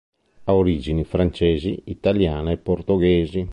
Ha origini francesi, italiane e portoghesi.